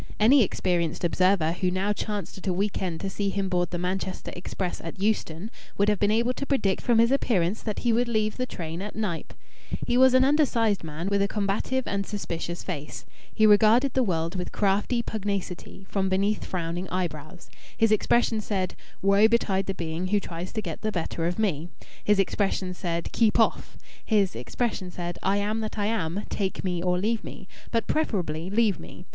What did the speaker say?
Any experienced observer who now chanced at a week end to see him board the Manchester express at Euston would have been able to predict from his appearance that he would leave the train at Knype. He was an undersized man, with a combative and suspicious face. He regarded the world with crafty pugnacity from beneath frowning eyebrows. His expression said: "Woe betide the being who tries to get the better of me!" His expression said: "Keep off!" His expression said: "I am that I am. Take me or leave me, but preferably leave me.